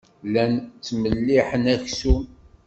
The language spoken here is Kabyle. Llan ttmelliḥen aksum.